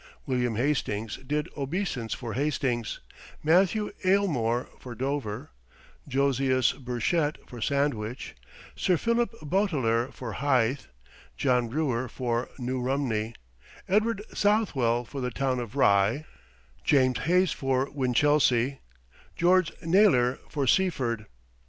William Hastings did obeisance for Hastings; Matthew Aylmor, for Dover; Josias Burchett, for Sandwich; Sir Philip Boteler, for Hythe; John Brewer, for New Rumney; Edward Southwell, for the town of Rye; James Hayes, for Winchelsea; George Nailor, for Seaford.